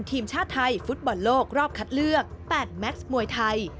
ทีมชาติไทยฟุตบอลโลกรอบคัดเลือก๘แม็กซ์มวยไทย